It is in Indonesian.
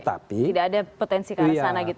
tidak ada potensi ke arah sana gitu